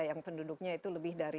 yang penduduknya itu lebih dari